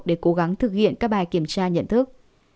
để cố gắng thực hiện các bài kiểm tra nhận thức